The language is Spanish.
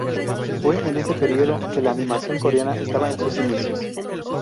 Fue en este período que la animación coreana estaba en su inicios.